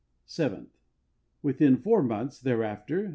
Seventh. Within four months thereafter